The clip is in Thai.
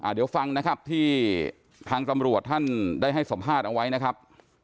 เดี๋ยวฟังนะครับที่ทางตำรวจท่านได้ให้สัมภาษณ์เอาไว้นะครับ